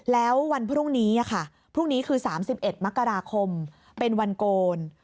แล้ววันพรุ่งนี้ค่ะพรุ่งนี้คือ๓๑มกราคมเป็นวันโกน